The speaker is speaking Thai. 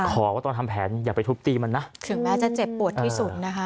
ขอว่าตอนทำแผนอย่าไปทุบตีมันนะถึงแม้จะเจ็บปวดที่สุดนะคะ